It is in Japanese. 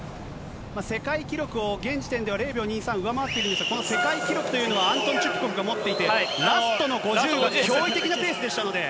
世界記録を、現時点では０秒２３上回っているんですが、この世界記録というのは、アントン・チュプコフが持っていて、ラストの５０が驚異的なペースでしたので。